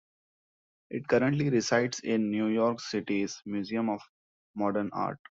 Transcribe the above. It currently resides in New York City's Museum of Modern Art.